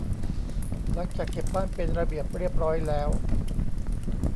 หลังจากเก็บบ้านเป็นระเบียบเรียบร้อยแล้ว